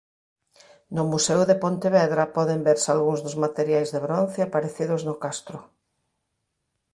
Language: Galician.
No Museo de Pontevedra poden verse algúns dos materiais de bronce aparecidos no castro.